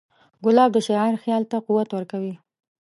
ګلاب د شاعر خیال ته قوت ورکوي.